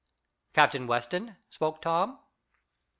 "Captain Weston?" spoke Tom.